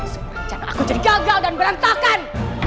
sekarang aku jadi gagal dan berantakan